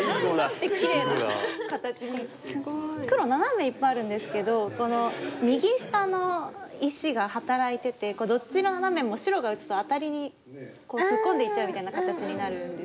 黒ナナメいっぱいあるんですけど右下の石が働いててどっちのナナメも白が打つとアタリに突っ込んでいっちゃうみたいな形になるんです。